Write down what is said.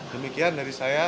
demikian dari saya